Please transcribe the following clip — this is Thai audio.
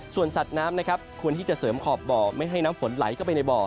ส่วนสัตว์น้ำนะครับควรที่จะเสริมขอบบ่อไม่ให้น้ำฝนไหลเข้าไปในบ่อ